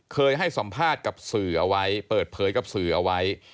เคยให้สัมภาษณ์กับสื่อเอาไว้เปิดเผยกับสื่อเอาไว้